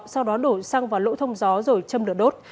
sau đó đổ xăng vào lỗ thông gió rồi châm lửa đốt